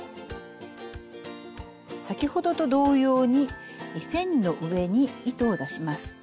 先ほどと同様に線の上に糸を出します。